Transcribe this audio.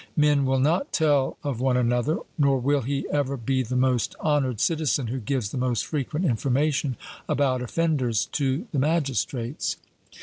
Men will not tell of one another; nor will he ever be the most honoured citizen, who gives the most frequent information about offenders to the magistrates.